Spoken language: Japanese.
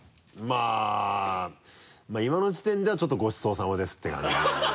まぁ今の時点ではちょっとごちそうさまですって感じ。